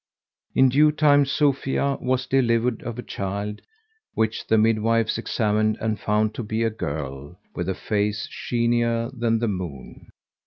In due time Sophia was delivered of a child, which the midwives examined and found to be a girl with a face sheenier than the moon.